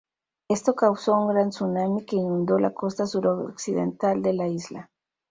Esto causó un gran tsunami que inundó la costa suroccidental de la isla.